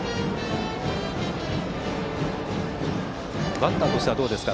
バッターとしてはどうですか